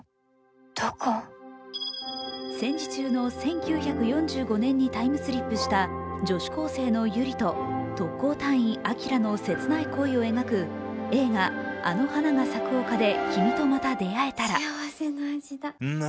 戦時中の１０４５年にタイムスリップした女子高生の百合と特攻隊員・彰の切ない恋を描く映画「あの花が咲く丘で、君とまた出会えたら」。